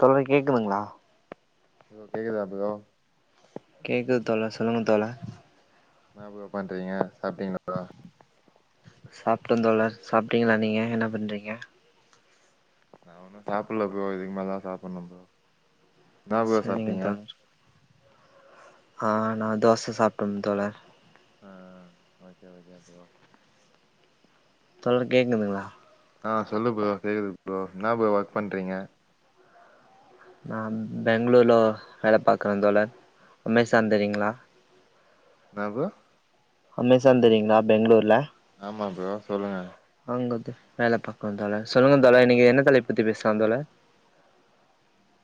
தோழி கேக்குதுங்களா ப்ரோ கேக்குதா ப்ரோ கேக்குது தோழா சொல்லுங்க தோழா என்னா ப்ரோ பண்றீங்க சாப்ட்டீங்களா ப்ரோ சாப்ட்ட தோழர் சாப்ட்டீங்களா நீங்க என்ன பண்றீங்க நா உன்னு சாப்புல்ல ப்ரோ இதுக்கு மேல தா சாப்புன்னு ப்ரோ என்ன ப்ரோ செரிங்க சாப்ட்டீங்க தோழர் ஆ நா தோச சாப்ட்டோம் தோழர் ஆ ஓகே ஓகே ப்ரோ தோழர் கேக்குதுங்களா ஆ சொல்லு ப்ரோ கேக்குது ப்ரோ என்ன ப்ரோ ஒர்க் பண்றீங்க நா பெங்ளூர்ல வேல பாக்குற தோழர் அமேசான் தெரியுங்களா என்னா ப்ரோ அமேசான் தெரியுங்களா பெங்ளூர்ல ஆமா ப்ரோ சொல்லுங்க அங்க தா வேல பாக்குர தோழர் சொல்லுங்க தோழர் ஓகே இன்னிக்கி என்ன தலைப்பத்தி பேசலா தோழர்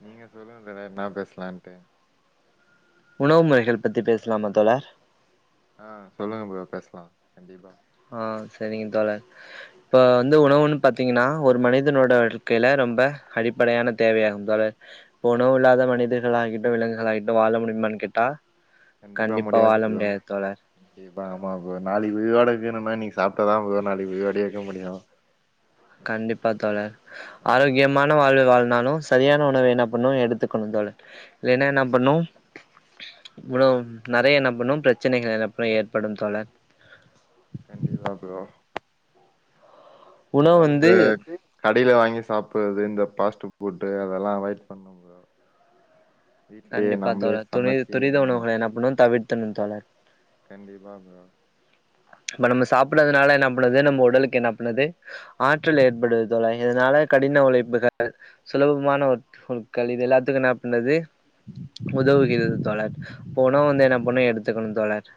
நீங்க சொல்லுக தோழர் என்ன பேசலான்ட்டு உணவு முறைகள் பத்தி பேசலாமா தோழர் ஆ சொல்லுங்க ப்ரோ பேசலா கண்டிப்பா ஆ செரிங்க தோழர் இப்ப வந்து உணவுன்னு பாத்தீங்கன்னா ஒரு மனிதனோட வாழ்க்கையில ரொம்ப அடிப்படையான தேவையாகும் தோழர் உணவுல்லாத மனிதர்களாகிட்டு விலங்குகளாகிட்டு வாழ முடியுமான்னு கேட்டா கண்டிப்பா வாழ முடியாது தோழர் கண்டிப்பா ஆமா ப்ரோ நாளைக்கு உயிரோட இருக்குணும்னா இன்னைக்கு சாப்பிட்டதா ப்ரோ நாளைக்கு உயிரோடேயே இருக்க முடியும் கண்டிப்பா தோழர் ஆ ஆரோக்கியமான வாழ்வு வாழ்னாலு செரியான உணவை என்ன பண்ணும் எடுத்துக்கணும் தோழர் இல்லைன்னா என்ன பண்ணும் உணவு நெறையா என்ன பண்ணும் பிரச்சனைகள் அப்புறோ ஏற்படும் தோழர் கண்டிபா ப்ரோ உணவு அதாவது இந்த வந்து கடையில வாங்கி சாப்படுறது இந்த ஃபாஸ்ட் ஃபுடு அதெல்லா அவாய்ட் பண்ணு ப்ரோ வீட்லயே கண்டிப்பா நம்மளே தோழர் துணி சமைச்சு ஆ துரித உணவுகளை என் பண்ணும் தவிர்த்தணும்னு தோழர் கண்டிப்பா ப்ரோ ம்ச் இப்ப நம்ம சாப்டாதனால நம்மளுது நம்ம உடலுக்கு என்ன பண்ணுது ஆற்றல் ஏற்படுவது தோழர் இதனால கடின உழைப்புகள் சுலபமான உட் உட்கள் இது எல்லாத்துக்கும் என்ன பண்றது உதவுகிறது தோழர் அப்ப உணவு ம் வந்து என்ன பண்ணனும் எடுத்துக்கணு தோழர்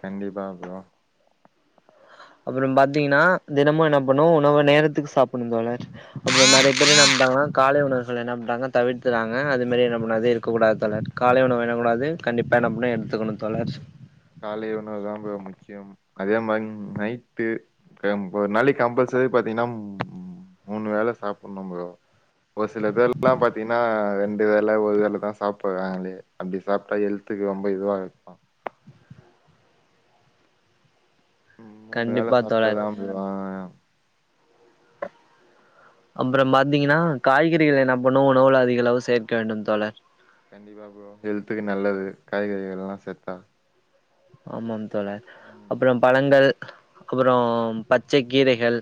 கண்டிப்பா ப்ரோ அப்புறோ பாத்தீங்கன்னா தினமும் என்ன பண்ணும் உணவு நேரத்துக்கு சாப்பிடணும் தோழர் அப்புறோ நெறையா பேர் என்ன பண்றாங்கன்னா காலை உணவுகளை என்ன பண்றாங்கன்னா தவிர்த்துறாங்க அது மாரி என்னகூடாது இருக்கூடாதது தோழர் காலை உணவு வேணக்கூடாது கண்டிப்பாக என்ன பண்ணு எடுத்துக்கணும் தோழர் காலை உணவு தான் ப்ரோ முக்கியம் ம் அதே மாரி நைட்டு ஒரு நாளைக்கு கம்பல்சரி பாத்தீங்கன்னா ம் ம் மூணு வேல சாப்பிடணும் ப்ரோ ஒரு சில பேர் லா பாத்தீங்கன்னா ரெண்டு வேள ஒரு வேள தான் சாப்பிராங்களே அப்டி சாப்பிட்டா ஹெல்த்துக்கு ரொம்ப இதுவா இருக்கும் கண்டிப்பா தோழர் அப்டி வாயேயாம் அப்புறோ பாத்தீங்கன்னா காய்கறிகள் என்ன பண்ணு உணவுல அதிகளவு சேர்க்க வேண்டும் தோழர் கண்டிப்பா ப்ரோ ஹெல்த்துக்கு நல்லது காய்கறிகள் எல்லா சேத்தா ஆமாம் தோழர் ம் அப்புறோ பழங்கள் அப்புறோ பச்சை கீரைகள்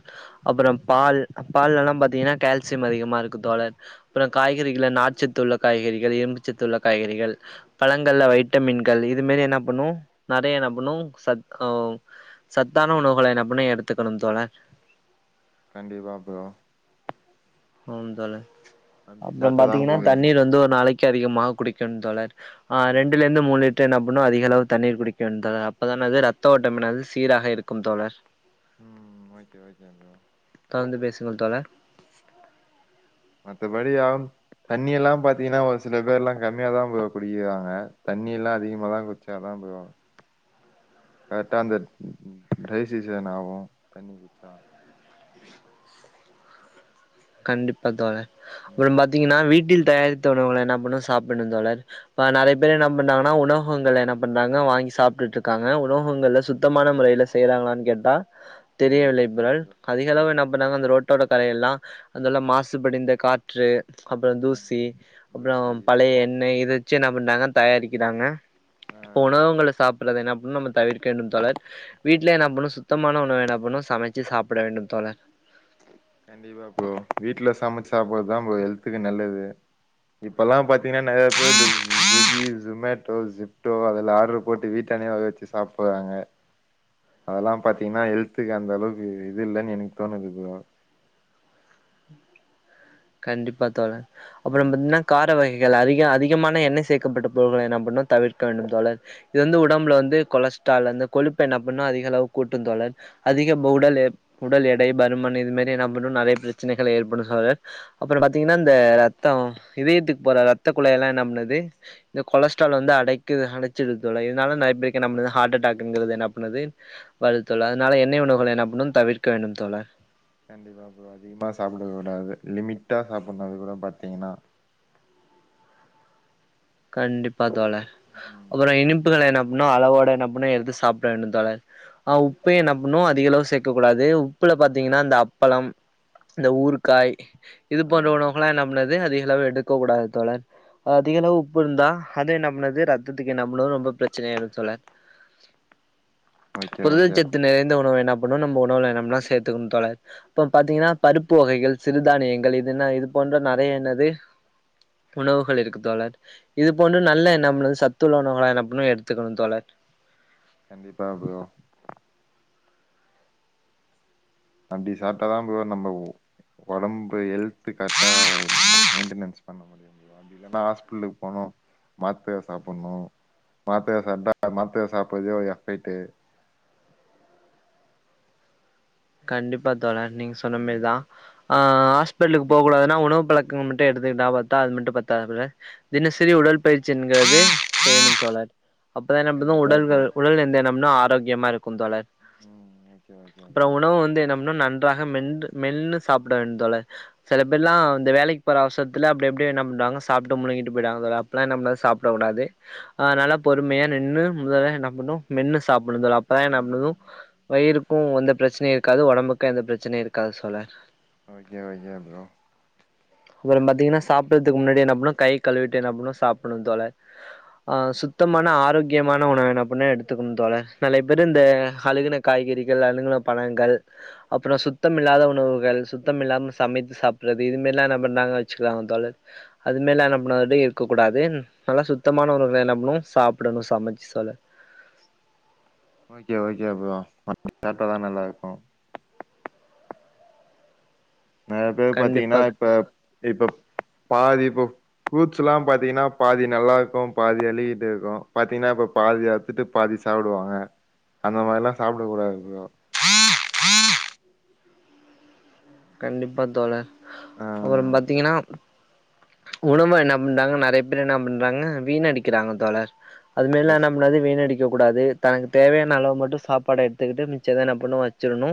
அப்புறோ பால் பால்யெல்லா பாத்தீங்கன்னா கால்சியம் அதிகமா இருக்கு தோழர் அப்புறோற காய்கறிகள் நார்ச்சத்துள்ள காய்கறிகள் இரும்புச்சத்துள்ள காய்கறிகள் பழங்கள்ல வைட்டமின்கள் இதுமாரி என்ன பண்ணும் நெறையா என்ன பன்னும் சத் ஆ சத்தான உணவுகளை என்ன பன்னும் எடுத்துக்கணும் தோழர் கண்டிப்பா ப்ரோ ஆம் தோழர் அப்டி அப்புறோ சாப்ட்டாதா பாத்தீங்கன்னா ப்ரோ தண்ணீர் வந்து ஒரு நாளைக்கு அதிகமாக குடிக்கனும் தோழர் ஆ ம் ரெண்டுல இருந்து மூணு என்னா பண்ணும் அதிக அளவு தண்ணீர் குடிக்கனும் தோழர் அப்பதான் அது ரத்த ஓட்டம் என்னது சீராக இருக்கும் தோழர் ம் ஓகே ஓகே ப்ரோ தொடர்ந்து பேசுங்கள் தோழர் மத்தபடி ஆகும் தண்ணியெல்லா பாத்தீங்கன்னா ஒரு சில பேர் எல்லா கம்மியாக தான் ப்ரோ குடிக்கிறாங்க தண்ணி எல்லா அதிக தான் குடிச்சா தான் ப்ரோ கரெக்டா அந்த டயசிசன் ஆகும் தண்ணி குடிச்சா கண்டிப்பா தோழர் அப்புறோ ம் பாத்தீங்கன்னா வீட்டில் தயாரித்த உணவுங்கள் என்ன பண்ணு சாப்பிடணும் தோழர் இப்ப நெறையா பேர் என்ன பண்றாங்கன்னா உணவகங்கள்ல என்ன பண்றாங்க வாங்கி சாப்பிட்டுட்டு இருக்காங்க உணவகங்கள்ல சுத்தமான முறையில செய்யறாங்களான்னு கேட்டா கண்டிப்பா தெரியவில்லை இல்ல ப்ரோ அதிக ஆ அளவு என்ன பண்ணாங்க அந்த ரோட்டோர கடையெல்லா அதெல்லா மாசுபடிந்த காற்று அப்புறோ ஆ தூசி அப்புறோ தூசி பழைய எண்ணெய் இது வச்சி என்ன பண்ணாறங்க தயாரிக்கிறாங்க ஆ இப்ப உணவகங்களுல்ல சாப்பிடடுறது என்ன பண்ணணும் நம்ம தவிர் வேண்டும் தோழர் வீட்ல நம்மலு சுத்தமான உணவு என்ன பண்ணும் சமைச்சு சாப்பிட வேண்டும் தோழர் கண்டிப்பா ப்ரோ வீட்டுல சமைச்சி சாப்புறதுதா ப்ரோ ஹெல்த்துக்கு நல்லது இப்பல்லா பாத்தீங்கன்னா நறைய பேர் ஸ்விகி ஸொமேட்டோ ஸிப்டோ அதுல்ல ஆர்டரு போட்டு வீட்டானே வரவச் ச்சு சாப்புறாங்க அதெல்லா பாத்தீங்கன்னா ஹெல்த்துக்கு அந்த அளவுக்கு இது இல்லன் எனக்கு தோணுது ப்ரோ கண்டிப்பா தோழன் அப்பற ஆ பாத்தீன்னா கார் ர வகைகள் அதிக அதிகமான எண்ணெய் சேக்கப்பட்ட பொருள்களை நம்பஇன்னு தவிர்க்க வேண்டும் தோழர் இது வந்து உடம்ப்ல வந்து கொலஸ்ட்ரால் அந்த கொழுப்பு என்ன பண்ணு அதிக அளவு கூட்டும் தோழர் அதிக புடல் உடல் எடை பருமன் இது மேரி என்னா பண்ணு நறைய பிரச்சனைகளை ஏற்படு தோழர் அப்பற பாத்தீங்கன்னா இந்த ரத்தொ இதயத்துக்கு போற ரத்த குழாயெல்லா என்னா பண்ணுது இந்த கொலஸ்ட்ரால் வந்து அடைக்குது அடச்சுடுது தோழர் இதனால நறைய பேருக் என்னா பண்ணுது ஹார்ட் அட்டாக்ங்கிறது என்னா பண்ணுது வருதுதோழா அதுனால எண்ணெய் உணவுகள என்னா பண்னு தவிர்க்க வேண்டும் தோழா கண்டிப்பா ப்ரோ அதிகமா சாப்டக்க கூடாது லிமிட்டா சாப்புன்னு அதுக்கூட பாத்தீங்ன்னா கண்டிப்பா தோழர் ம் அப்பற இனிப்புகளை என்னா பண்னு அளவோட என்ன பண்ணு எடுத்து சாப்டவேண்டுந்தோழர் அ உப்பே என்னா பண்ணு அதிக அளவு சேக்கக்கூடாது உப்புல பாத்தீங்கன்னா அந்த அப்பளம் இந்த ஊறுக்காய் ஆ இதுபோன்ற உணவுகள நம் என்னாது அதிகளவு எடுக்கக்கூடாது தோழர் அதிகளவு உப்பு இருந்தா அதுவு என்னா பண்ணுது ரத்தத்துக்கு என்னா பண்ணுது ரொம்ப பிரச்சனைையாயிடு தோழர் ஓகே ஓகே ப்ரோ புரதசத்து நிறைந்த உணவு என்னா பண்ணு நம்ப உணவு நம்ல்லா சேத்துக்குணு தோழர் இப்ப பாத்தீங்ன்னா பருப்பு வகைகள் சிறுதானியங்கள் இதுனா இது போன்ற நறைய என்னது உணவுகள் இருக்கு தோழர் இது போன்ற நல்ல நம்மளுது சத்துள்ள உணவுகளா என்ன பண்ணனு எடுத்துக்குணு தோழர் கண்டிப்பா ப்ரோ அட்டிசாட்டதா ப்ரோ நம்ப ஒ ஒடம்பு ஹெல்த்து கர்ட்டா மெயின்டனன்ஸ் பண்ண முடி அப்டி இல்லான்னா ஹாஸ்பிட்லுக்கு போனு மாத்திர சாப்புட்ணு மாத்திர சாப்ட்டா மாத்திர சாப்புறதே ஒரு எஃபக்ட் கண்டிப்பா தோழன் நீங்க ஆ சொன்னமேர்தா ஆ ஹஸ்பிட்டலுக்கு போகூடாதுன்னா உணவு பழக்கங்கள் மட்டு எடுத்துக்கிட்டா பத்தாது மட்டும் பத்தா ப்ரதர் தினசரி உடல்பயிற்சி என்கிறது செய்யணு தோழர் அப்பதா என்ன பண்ணுது கண்டிப்பா ப்ரோ உடல்கள் உடல் எந்த என்னம்னா ஆரோக்கியமா இருக்குந்தோழர் ஓக்கே ஓக்கே ப்ரோ அப்போ வந்து என்னா பன்னு நன்றாக மென்ரு மென்னு சாப்பிட வேண் தோழர் செல பேர்லா இந்த வேலைக்கு போற அவசரத்துல அப்டெ அப்டெ என்னா பண்ணுறாங்க சாப்ட்டு முழுங்கிட்டு போய்டாங்க தோழர் அப்பில்லா என்னா பன்னது சாப்பிட கூடாது அதுனால பொறுமையா நின்னு முதல்ல என்னா பண்ணு மென்னு சாப்புன்னு தோழா அப்பதா என்னா பண்ணுது வயிறுக்கூ எந்த பிரச் யும் இருக்காது ஒடம்புக்கு எந்த பிரச்சனையும் இருக்காது தோழர் ஓக்கே ஓக்கே ப்ரோ அப்ற பாத்தீங்ன்னா சாப்புறதுக்கு முன்னாடி என்னா பண்ணோம் கை கழுவிட்டு என்னாபன்னும் சாப்புன்ணு தோழர் அ சுத்தமான ஆரோக்கியமான உணவு என்னா பண்ணு எடுத்துக்கணு தோழர் நலைய பேரு இந்த அழுகுன காய்கறிகள் அழுகுண பழங்கள் அப்பறொ சுத்தம்இல்லாத உணவுகள் சுத்தம் இல்லாம சமைத்து சாப்புறது இதுமேர்ல்லா நம் பண்னாங்க வச்சுக்கிறாங்க தோழர் அது மேல என்ன பண்ணா இருக்கக்கூடாது நல்லா சுத்தமான உணகள என்னா பண்னு சாப்புடணு சமைச்சு தோழர் ஓக்கே ஓத்கே ப்ரோ [unintelligible] சாட்டாதா நல்லாருக்கு நறைய பேரு பாத்தீங்ன்னா கண்டிப்பா இப்ப இப்ப் பாதி இப்பப் ஃப்ரூட்ஸ் எல்லா பாத்தீங்கன்னா பாதி நல்லா இருக்கும் பாதி எலிக்கிட்ட இருக்கும் பாத்தீங்கன்னா இப்ப பாதி எடுத்துட்டு பாதி சாப்டுவாங்க அந்த மாரில்லா சாப்டக் கூடாது ப்ரோ கண்டிப்பா தோழர் ஆ அப்புறம் பாத்தீங்கன்னா உணவு என்ன பண்றாங்க நெறைய பேர் என்ன பண்றாங்க வீணடிக்கிறாங்க தோழர் அது மேரில்லா என்ன பெஸ்ட் பண்ணாது வீணடிக் கக் கூடாது தனக்கு தேவையான அளவு மட்டு சாப்பாடு எடுத்துக்கிட்டு மிச்சத என்ன பண்ணு வச்சிடணு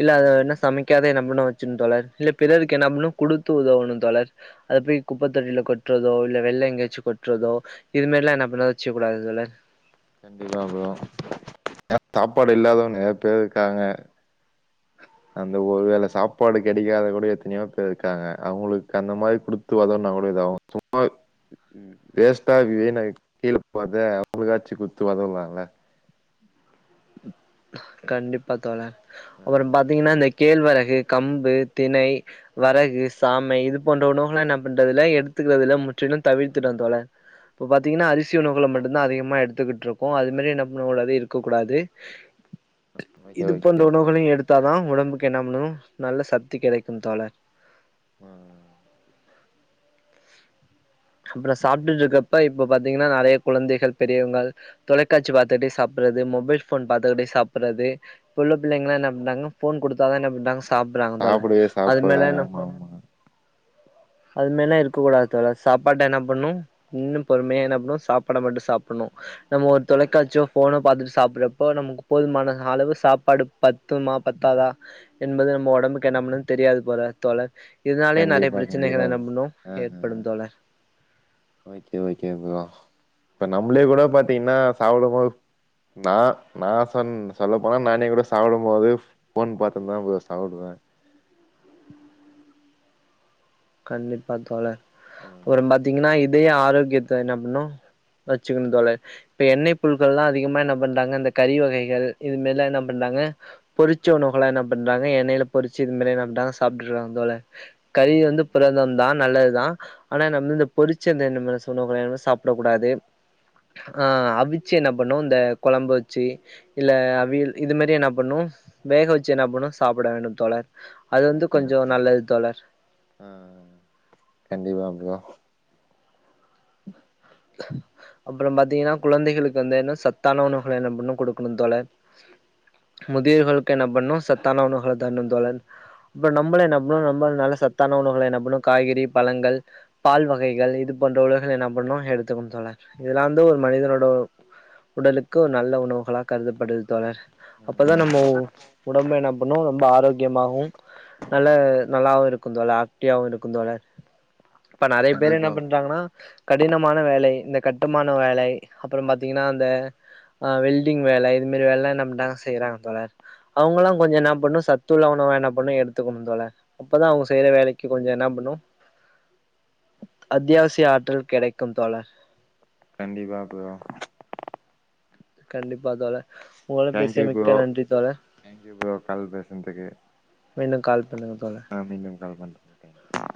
இல்ல அத ம் என்ன சமைக்காத என்ன பண்ணு வச்சுட்ணு தோழர் இல்ல பிறருக்கு என்ன பண்ணு குடுத்து உதவணு தோழர் அது போய் குப்பத் தொட்டியில கொட்றதோ இல்ல வெள்ல எங்கயாச்சி கொட்றதோ இதுமேரில்லா என்ன பண்ணத வச்சுக்கக்கூடாது தோழர் அதா ப்ரோ ஏ சாப்பாடு இல்லாதவங் நெறைய பேர் இருக்காங்க அந்த ஒருவேள சாப்பாடு கெடைக்காத கூட எத்தனையோ பேர் இருக்காங்க அவுங்களுக்கு அந்த மாரி குடுத்து உதவுனா கூட இதாவு சும்மாவே ம் வேஸ்ட்டா வீணாயி கீழ போறத அவுங்களுக்காச்சு குத்து ஒதவுலால கண்டிப்பா தோழர் அப்புறம் பாத் தீங்கன்னா இந்த கேழ்வரகு கம்பு திணை வரகு சாமை இது போன்ற உணவுகள்லா என்ன பண்றதுல்ல எடுத்துக்கறதுல்ல முற்றிலும் தவிர்த்துட்டோ தோழர் இப்போ பாத்திங்கன்னா அரிசி உணவுகள மட்டு்ந்தா அதிகமா எடுத்துக்கிட்ருக்கோ அதுமேரி என்ன பண்ணக்கூடாது இருக்கக்கூடாது ஓகே இது போன்ற ஓகே ப்ரோ உணவுகளையு எடுத்தாதா உடம்புக்கு என்ன பண்ணு நல்ல சக்தி கெடைக்கும் தோழர் ஆ அப்ற சாப்ட்டுட்டு இருக்கப்ப இப்ப பாத்தீங்கன்னா நெறைய குழந்தைகள் பெரியவங்கள் தொலைக்காட்சி பாத்துட்டே சாப்புறது மொபைல் ஃபோன் பாத்துக்கிட்டே சாப்புறது இப்ப உள்ள பிள்ளைங்கள்லா என்ன பண்றாங்க ஃபோன் குடுத்தாதா என்ன பண்றாங்க சாப்புறாங்க தோழர் சாப்பிடவே அது மேல சாப்பிடுறாங்க என்ன ஆமா ஆமா அது மேரினா இருக்கக் கூடாது தோழர் சாப்பாட்ட என்ன பண்ணு இன்னு பொறுமையா என்ன பண்ணு சாப்பாட மட்டு சாப்புட்ணு நம்ம ஒரு தொலைக்காட்சியோ ஃபோனோ பாத்துட்டு சாப்புறப்போ நமக்கு போதுமான அளவு சாப்பாடு பத்துமா பத்தாதா என்பது நம்ப ஒடம்புக்கு என்ன பண்ணு தெரியாது போற தோழர் இதனாலயே நெறைய கண்டிப்பா கண்டிப்பா பிரச்சனைகள என்ன பண்ணு ஆ ஆ ஏற்படு தோழர் ஓகே ஓகே ப்ரோ இப்ப நம்மளே கூட பாத்தீங்கன்னா சாப்டம்போது நா நா சொன் சொல்லப் போனா நானே கூட சாப்டும் போது ஃபோன் பாத்து தா ப்ரோ சாப்டுவே கண்டிப்பா தோழர் ம் அப்றம் பாத்தீங்கன்னா இதய ஆரோக்கியத்த என்ன பண்ணு வச்சுக்கணு தோழர் இப்ப எண்ணெய் பொருட்கள்லா அதிகமா என்ன பண்றாங்க இந்த கறி வகைகள் இதுமேரில்லா என்ன பண்றாங்க பொறிச்ச உனவுகள என்ன பண்றாங்க எண்ணெயில பொறிச்சு இது மாரி என்ன பண்றாங்க சாப்ட்டுறாங்க தோழர் கறி ம் வந்து புரதம் தா நல்லதுதா ஆனா நம்ம வந்து இந்த பொறிச்ச இந்தமாரி [unintelligible] உணவுகள சாப்டக் கூடாது ஆ அவிச்சி என்ன பண்ணோ இந்த கொழம்பு வச்சி இல்ல அவியல் இது மாரி என்ன பண்ணு வேக வச்சி என்ன பண்ணு சாப்பிட வேண்டு தோழர் அது வந்து ஓகே கொஞ்சம் ஓகே ப்ரோ நல்லது தோழர் ஆ கண்டிப்பா ப்ரோ அப்றம் பாத்தீங்கன்னா குழந்தைகளுக்கு வந்து சத்தான உணவுகள என்ன பண்ணு குடுக்கணு தோழர் முதியவர்களுக்கு என்ன பண்ணு சத்தான உணவுகள தர்ணு தோழர் இப்ப நம்மளே என்ன பண்ணு நம்பள் நல்ல சத்தான உணவுகள என்ன பண்ணு காய்கறி பழங்கள் பால் வகைகள் இது போன்ற உணவுகள என்ன பண்ணு எடுத்துக்கனு தோழர் இதுலா வந்து ஒரு மனிதனோடோ உடலுக்கு நல்ல உணவுகளா கருதப்படுது தோழர் அப்பதா நம்மோ ஒடம்பு என்ன பண்ணு ரொம்ப ஆரோகியமாகு நல்ல நல்லாவு இருக்கு தோழா ஆக்டிவாவு இருக்கு தோழர் இப்ப நெறைய பேர் என்ன கண்டிப்பா பண்றாங்கன்னா கடினமான வேலை இந்த கட்டுமான வேலை அப்பறோ பாத்தீங்கன்னா அந்த ஆ வெல்டிங் வேல இதுமாரி வேலல்லா நம்ம தா செய்றாங்க தோழர் அவுங்கல்லா ஆ கொஞ்ச நா பண்ண சத்துள்ள உணவ என்ன பண்ணணு எடுத் துக்கணு தோழர் அப்பதா அவங்க செய்யற வேலைக்கு கொஞ்சோ என்ன பண்ணு [unintelligible] அத்தியாவசிய ஆற்றல் கெடைக்கு தோழர் கண்டிப்பா அப்பறோ கண்டிப்பா தோழர் உங்களோட பேசிய தேங்க்யூ ப்ரோ மிக்க நன்றி தோழர் தேங்க்யூ ப்ரோ கால் பேசுனதுக்கு மீண்டும் கால் பண்ணுங்க தோழர் ஆ மீண்டும் கால் பண்றே ஓகேங்க